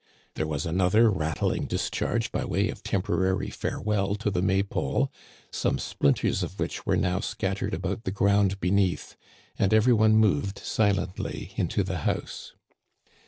There was another rattling discharge by way of temporary farewell to the May pole, some splinters of which were now scat tered about the ground beneath, and every one moved silently into the house.